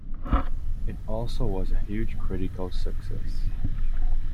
It also was a huge critical success.